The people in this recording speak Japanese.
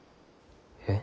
えっ？